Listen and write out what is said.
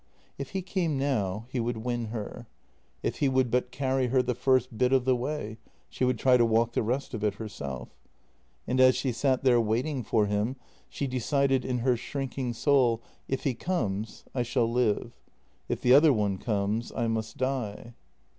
If he came now — he would win her. If he would but carry her the first bit of the way, she would try to walk the rest of it herself. And as she sat there waiting for him she decided in her shrinking soul: If he comes, I shall live. If the other one comes, I must die.